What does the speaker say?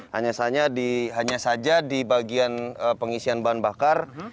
hanya saja di bagian pengisian bahan bakar